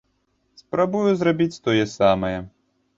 Спрабую зрабіць тое самае.